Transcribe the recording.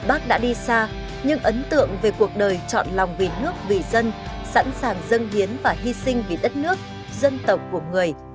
ấn tượng về cuộc đời chọn lòng vì nước vì dân sẵn sàng dân hiến và hy sinh vì đất nước dân tộc của người